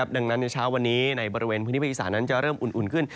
ดังนั้นในเช้าวันนี้ในบริเวณพื้นที่ภาคอีสานั้นจะเริ่มอุ่นขึ้น